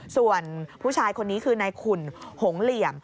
ส่วนผู้ชายคนนี้คือนายขุ่นหงเหลี่ยม